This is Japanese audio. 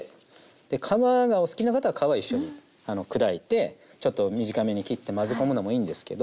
皮がお好きな方は皮一緒に砕いてちょっと短めに切って混ぜ込むのもいいんですけど